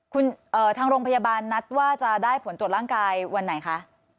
คุณเอ่อทางโรงพยาบาลนัดว่าจะได้ผลตรวจร่างกายวันไหนคะ